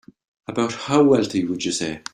About how wealthy would you say?